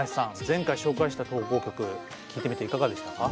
前回紹介した投稿曲聴いてみていかがでしたか？